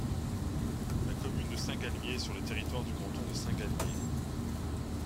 La commune de Saint-Galmier est sur le territoire du canton de Saint-Galmier.